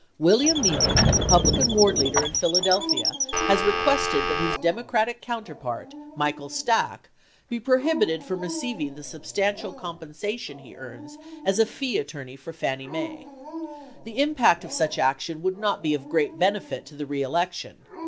William Meehan, Republican ward leader in Philadelphia, has requested that his Democratic counterpart, Michael Stack, be prohibited from receiving the substantial compensa tion he earns as a fee attorney for Fannie Mae. The impact of such action would not be of great benefit to the re election.